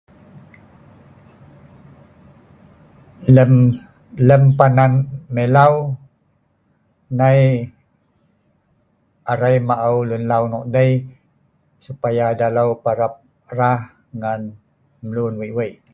In our family, I take care of them so that they can grow up with a good life.